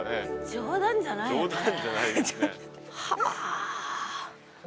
冗談じゃないですね。